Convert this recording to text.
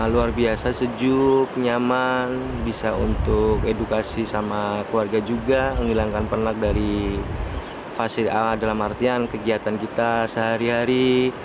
luar biasa sejuk nyaman bisa untuk edukasi sama keluarga juga menghilangkan penat dari fasid a dalam artian kegiatan kita sehari hari